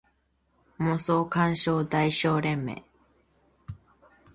妄想感傷代償連盟